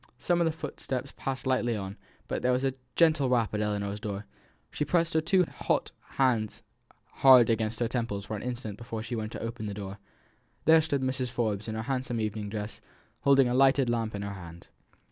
Some of the footsteps passed lightly on; but there was a gentle rap at Ellinor's door. She pressed her two hot hands hard against her temples for an instant before she went to open the door. There stood Mrs. Forbes in her handsome evening dress, holding a lighted lamp in her hand.